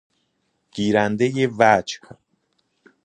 گیرنده وجه